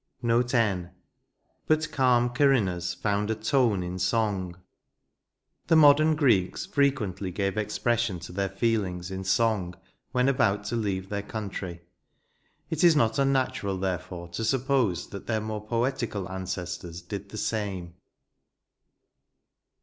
NOTB N. Bui calm Corinna's/ound a tone In song" The modem Greeks frequently give expression to their feelings in song when about to leave their country ; it is not unnatural, therefore, to suppose that their more poetical ancestors did the same.